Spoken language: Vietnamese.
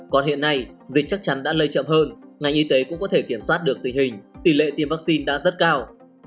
còn hiện nay dịch chắc chắn đã lây chậm hơn ngành y tế cũng có thể kiểm soát được tình hình tỷ lệ tiêm vaccine đã rất cao